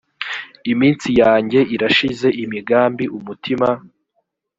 iminsi yanjye irashize imigambi umutima